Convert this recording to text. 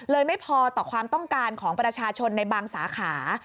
ไม่พอต่อความต้องการของประชาชนในบางสาขา